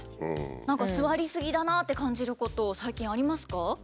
何か座りすぎだなって感じること最近ありますか？